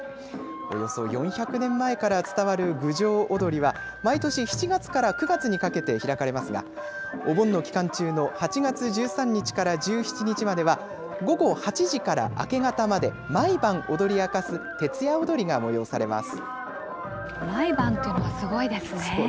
およそ４００年前から伝わる郡上おどりは毎年７月から９月にかけて開かれますがお盆の期間中の８月１３日から１７日までは午後８時から明け方まで毎晩、踊り明かす徹夜おどりが催されます。